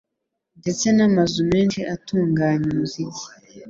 ndetse n'amazu menshi atunganya umuziki.